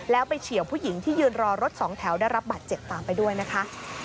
แล้วไปเฉียวผู้หญิงที่ยืนรอรถสองแถวได้รับบาดเจ็บตามไปด้วยนะคะ